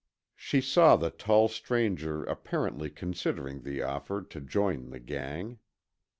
She saw the tall stranger apparently considering the offer to join the gang.